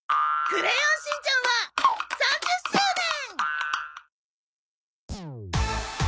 『クレヨンしんちゃん』は３０周年。